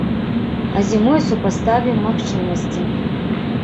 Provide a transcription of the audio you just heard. А зімой супаставім магчымасці.